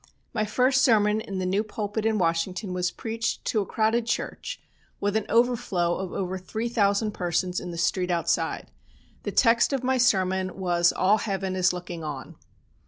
My first sermon in the new pulpit in Washington was preached to a crowded church, with an overflow of over three thousand persons in the street outside. The text of my sermon was, "All Heaven is looking on."